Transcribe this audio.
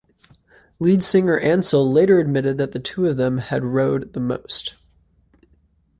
Lead singer Ansell later admitted that the two of them had rowed the most.